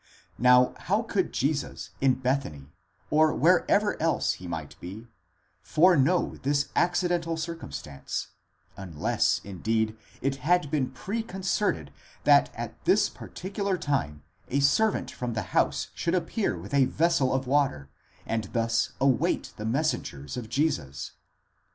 Now how could Jesus in Bethany, or wherever else he might be, foreknow this accidental circumstance, unless, indeed, it had been pre concerted that at this particular time a servant from the house should appear with a vessel of water, and thus await the messengers of Jesus?